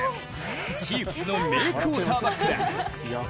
チーフスの名クオーターバックだ。